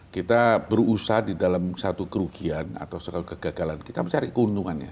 kita berusaha di dalam satu kerugian atau satu kegagalan kita mencari keuntungannya